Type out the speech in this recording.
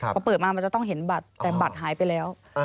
พอเปิดมามันจะต้องเห็นบัตรแต่บัตรหายไปแล้ว